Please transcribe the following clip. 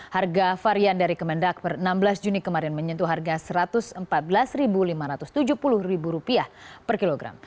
harga varian dari kemendak per enam belas juni kemarin menyentuh harga rp satu ratus empat belas lima ratus tujuh puluh per kilogram